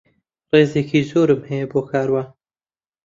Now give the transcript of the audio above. ڕێزێکی زۆرم هەیە بۆ کاروان.